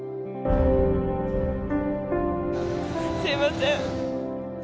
すいません。